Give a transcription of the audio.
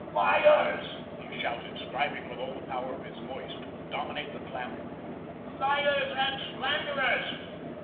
"Liars," he shouted, striving with all the power of his voice to dominate the clamour, "liars and slanderers.